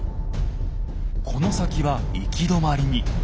この先は行き止まりに。